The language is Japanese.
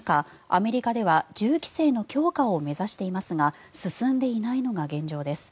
アメリカでは銃規制の強化を目指していますが進んでいないのが現状です。